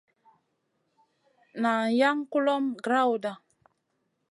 Nan jaŋ kulomʼma grawda.